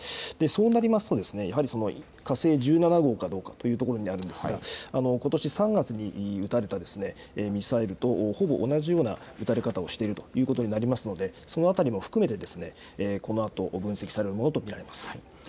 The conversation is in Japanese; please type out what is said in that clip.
そうなりますとですね、やはり火星１７号かどうかというところになるんですが、ことし３月に撃たれたミサイルとほぼ同じように撃たれ方をしているということになりますので、そのあたりも含めてこのあと分析されるものと見られます。